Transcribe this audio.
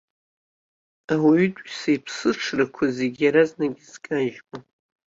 Ауаҩытәыҩса иԥсыҽрақәа зегьы иаразнак изкажьуам.